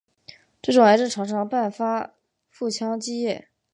这种癌症常常伴发腹腔积液。